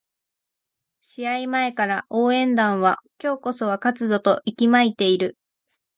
試合前から応援団は今日こそは勝つぞと息巻いている